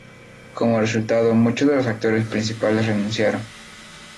Como resultado, muchos de los actores principales renunciaron.